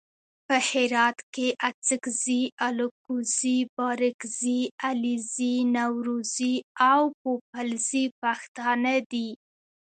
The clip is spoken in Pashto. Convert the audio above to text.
په هرات کې اڅګزي الکوزي بارګزي علیزي نورزي او پوپلزي پښتانه دي.